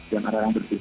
yang arah arah berpisik